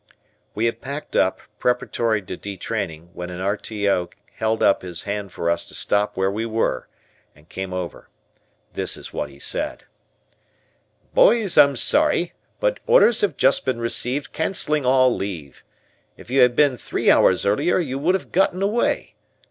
We had packed up, preparatory to detraining, when a R.T.O. held up his hand for us to stop where we were and came over. This is what he said: "Boys, I'm sorry, but orders have just been received cancelling all leave. If you had been three hours earlier you would have gotten away.